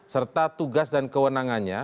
serta tugas dan kewenangannya